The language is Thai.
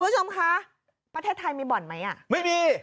คุณผู้ชมคะประเทศไทยมีบ่อนไหมอ่ะไม่มี